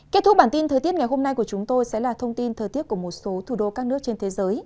kết thúc bản tin thời tiết ngày hôm nay của chúng tôi sẽ là thông tin thời tiết của một số thủ đô các nước trên thế giới